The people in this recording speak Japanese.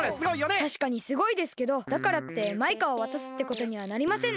たしかにすごいですけどだからってマイカをわたすってことにはなりませんね。